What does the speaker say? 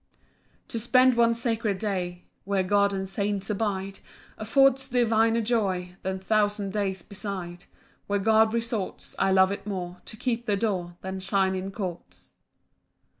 PAUSE. 5 To spend one sacred day Where God and saints abide, Affords diviner joy Than thousand days beside; Where God resorts, I love it more To keep the door Than shine in courts.